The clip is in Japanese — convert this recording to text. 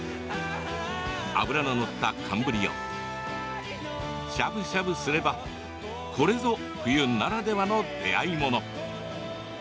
脂の乗った寒ぶりをしゃぶしゃぶすればこれぞ冬ならではの出合いもの。